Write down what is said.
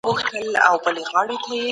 د روغتيا او پوهنې برخې حمايه کړئ.